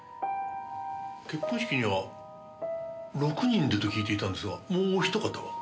結婚式には６人でと聞いていたんですがもうおひと方は？